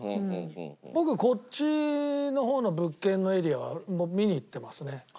僕こっちの方の物件のエリアはもう見に行ってますね。